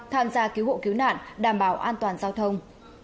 tham gia cứu hộ cứu nạn đảm bảo an toàn giao thông